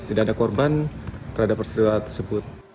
tidak ada korban terhadap peristiwa tersebut